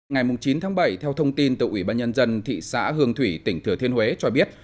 ngày chín tháng bảy theo thông tin từ ủy ban nhân dân thị xã hương thủy tỉnh thừa thiên huế cho biết